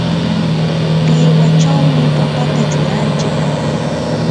pirwachawmi papata churanchik.